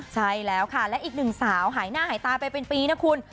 ใช่แล้วค่ะและอีกหนึ่งสาวหายหน้าหายตาไปเป็นปีนะคุณ